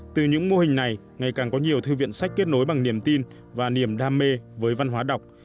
từ những mô hình này ngày càng có nhiều thư viện sách kết nối bằng niềm tin và niềm đam mê với văn hóa đọc